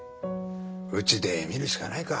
うちで見るしかないか。